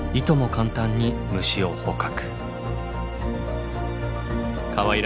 簡単に虫を捕獲。